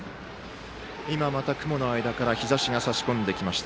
今、また雲の間から日ざしがさしこんできました。